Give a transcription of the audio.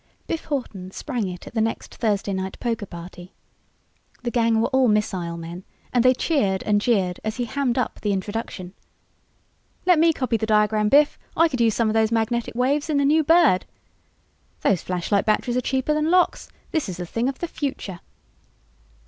Biff Hawton sprang it at the next Thursday night poker party. The gang were all missile men and they cheered and jeered as he hammed up the introduction. "Let me copy the diagram, Biff, I could use some of those magnetic waves in the new bird!" "Those flashlight batteries are cheaper than lox, this is the thing of the future!"